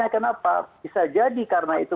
karena kenapa bisa jadi karena itu